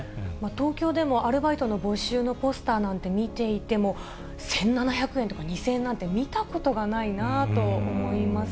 東京でもアルバイトの募集のポスターなんて見ていても、１７００円とか２０００円なんて、見たことがないなと思います。